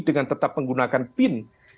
dengan tetap menggunakan pin